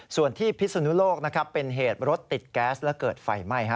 ส่วนที่พิศนุโลกนะครับเป็นเหตุรถติดแก๊สและเกิดไฟไหม้